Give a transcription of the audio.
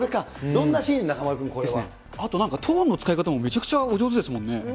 どんなシーン、あとなんか、トーンの使い方もめちゃくちゃお上手ですもんね。